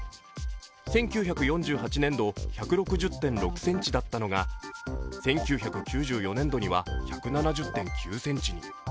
１９４８年度１６０．６ｃｍだったのが１９９４年度には１７０．９ｃｍに。